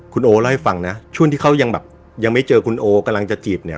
คุณโอเล่าให้ฟังนะช่วงที่เขายังแบบยังไม่เจอคุณโอกำลังจะจีบเนี่ย